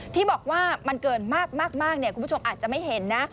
ที่บอกว่ามันเกินมากคุณผู้ชมอาจจะไม่เห็นนะ